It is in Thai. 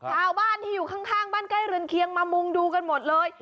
ชาวบ้านที่อยู่ข้างบ้านใกล้เรือนเคียงมามุงดูกันหมดเลย